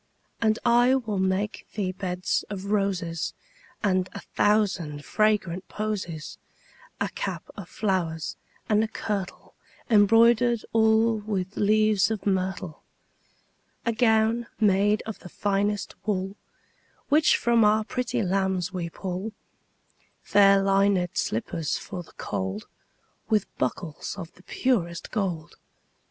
And I will make thee beds of roses And a thousand fragrant posies; 10 A cap of flowers, and a kirtle Embroider'd all with leaves of myrtle. A gown made of the finest wool Which from our pretty lambs we pull; Fair linèd slippers for the cold, 15 With buckles of the purest gold.